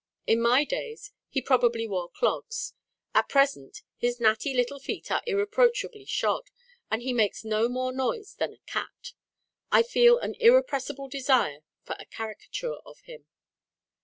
In my days, he probably wore clogs. At present his natty little feet are irreproachably shod, and he makes no more noise than a cat. I feel an irrepressible desire for a caricature of him."